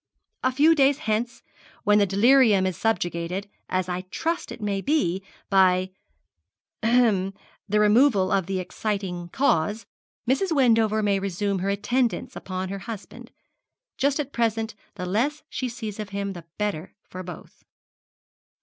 A few days hence, when the delirium is subjugated, as I trust it may be, by ahem the removal of the exciting cause, Mrs. Wendover may resume her attendance upon her husband. Just at present the less she sees of him the better for both.'